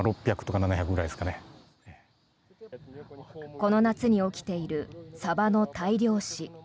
この夏に起きているサバの大量死。